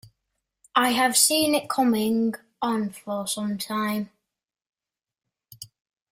I have seen it coming on for some time.